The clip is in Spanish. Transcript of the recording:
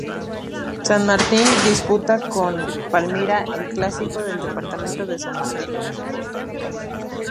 San Martín disputa con Palmira el clásico del Departamento de San Martín.